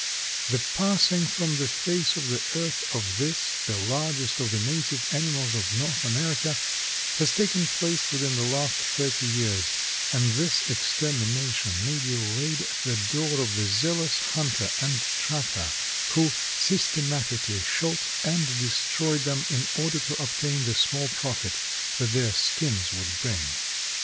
The passing from the face of the earth of this, the largest of the native animals of North America, has taken place within the last thirty years and this extermination may be laid at the door of the zealous hunter and trapper who systematically shot and destroyed them in order to obtain the small profit that their skins would bring.